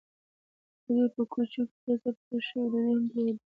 هګۍ په کوچو کې تازه پخې شوي ډوډۍ هم توده ده.